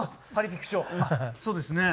そうですね。